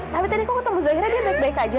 tapi tadi kok ketemu zahira dia baik baik aja